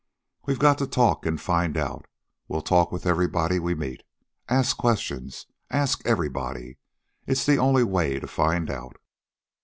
We've got to talk and find out. We'll talk with everybody we meet. Ask questions. Ask everybody. It's the only way to find out."